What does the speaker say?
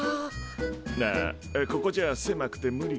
ああここじゃせまくて無理か。